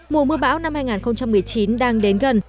mùa mưa bão năm hai nghìn một mươi chín đang đến gần